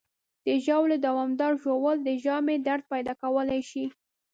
د ژاولې دوامداره ژوول د ژامې درد پیدا کولی شي.